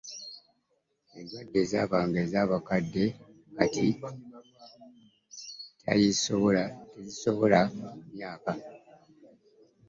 Endwadde ezaabanga ez'abakadde kati teaisosola myaka.